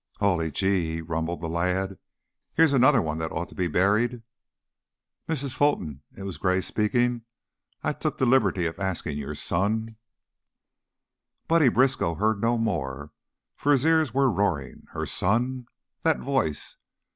"Hully Gee!" rumbled the lad. "Here's another one that ought to be buried!" "Mrs. Fulton" it was Gray speaking "I took the liberty of asking your son " Buddy Briskow heard no more, for his ears were roaring. Her son! That voice!